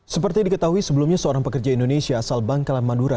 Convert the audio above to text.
seperti diketahui sebelumnya seorang pekerja indonesia asal bank kalamandura